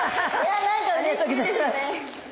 何かうれしいですね。